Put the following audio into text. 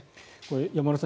山村さん